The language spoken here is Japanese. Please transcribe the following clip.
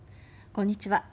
こんにちは。